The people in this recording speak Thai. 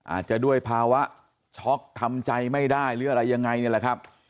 อาจจะด้วยภาวะช็อกทำใจไม่ได้หรืออะไรยังไงนี่แหละครับ